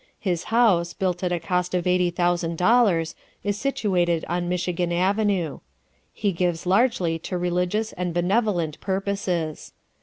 His house, built at a cost of $80,000, is situated on Michigan Avenue. He gives largely to religious and benevolent purposes.